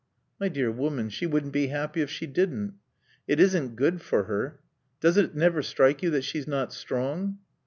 "My dear woman, she wouldn't be happy if she didn't." "It isn't good for her. Does it never strike you that she's not strong?"